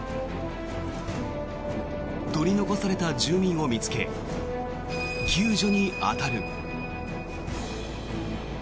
取り残された住民を見つけ救助に当たる。